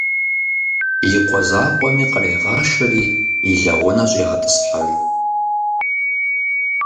И къуэ закъуэми кърегъашэри и лэгъунэ щӀегъэтӀысхьэж.